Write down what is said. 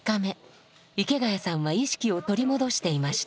池谷さんは意識を取り戻していました。